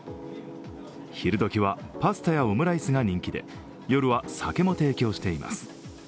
昼どきはパスタやオムライスが人気で夜は酒も提供しています。